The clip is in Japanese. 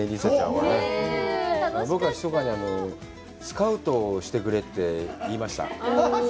僕はひそかにスカウトしてくれって言いました。